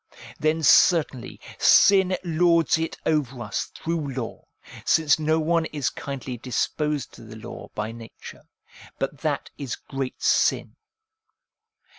Then certainly sin lords it over us through law, since no one is kindly disposed to the law by nature ; but that is great sin.